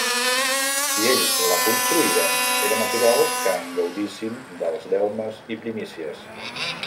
Si ells la construïren, era natural que en gaudissin dels delmes i primícies.